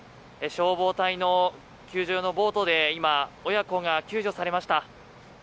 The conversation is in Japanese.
消防隊の救助用のボートで今、親子が救助されました。